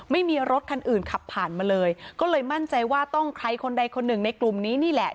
ไม่มีรถคันอื่นขับผ่านมาเลยก็เลยมั่นใจว่าต้องใครคนใดคนหนึ่งในกลุ่มนี้นี่แหละ